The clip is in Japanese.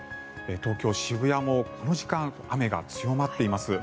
東京・渋谷もこの時間雨が強まっています。